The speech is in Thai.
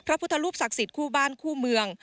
พระพุทธรูปศักดิ์สิทธิ์คู่บ้านคู่เมือง